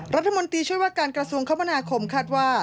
รัฐมนตรีช่วยว่าการกระทรวงคมนาคมคาดว่า